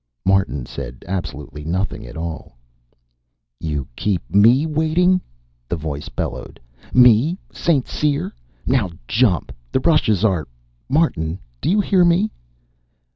Martin said absolutely nothing at all. "You keep me waiting," the voice bellowed. "Me, St. Cyr! Now jump! The rushes are ... Martin, do you hear me?"